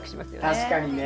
確かにね。